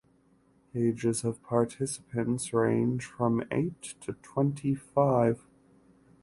Ages of participants range from eight to twenty-five.